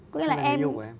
có nghĩa là em